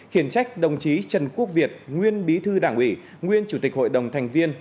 khiển trách đồng chí trần quốc việt nguyên bí thư đảng ủy nguyên chủ tịch hội đồng thành viên